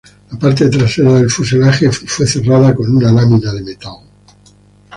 La parte trasera del fuselaje fue cerrada con una lámina de metal.